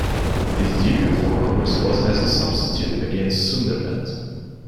His debut for Rovers was as a substitute against Sunderland.